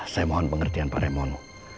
saya mohon pengertian pak remono